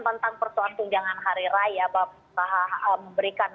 tentang persoalan tunjangan hari raya memberikan